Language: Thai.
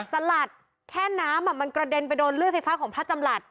สลัดแค่น้ำมันกระเด็นไปโดนเลือดไฟฟ้าของพระจำหลัด